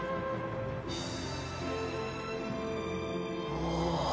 おお。